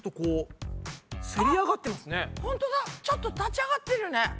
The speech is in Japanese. ちょっと立ち上がってるね。